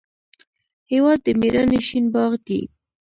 هېواد د میړانې شین باغ دی.